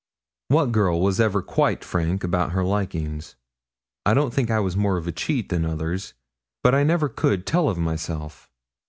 What girl was ever quite frank about her likings? I don't think I was more of a cheat than others; but I never could tell of myself.